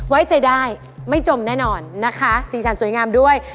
ไว้ใจได้ไม่จมแน่นอนนะคะสีสันสวยงามด้วย